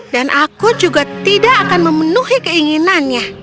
dan aku juga tidak akan memenuhi keinginannya